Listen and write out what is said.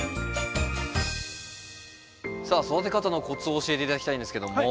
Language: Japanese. さあ育て方のコツを教えて頂きたいんですけども。